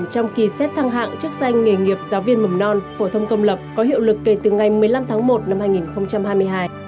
trong kỳ xét thăng hạng chức danh nghề nghiệp giáo viên mầm non phổ thông công lập có hiệu lực kể từ ngày một mươi năm tháng một năm hai nghìn hai mươi hai